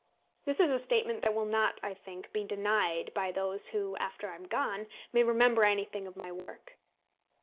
This is a statement that will not, I think, be denied by those who, after I am gone, may remember anything of my work.